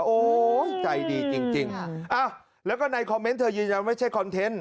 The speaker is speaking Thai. โอ้ยใจดีจริงแล้วก็ในคอมเมนต์เธอยืนยันไม่ใช่คอนเทนต์